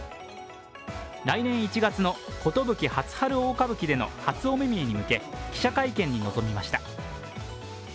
来年１月の「壽初春大歌舞伎」での初お目見えに向け記者会見に臨みました。